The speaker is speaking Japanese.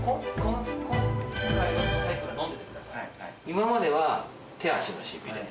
今までは、手足のしびれ。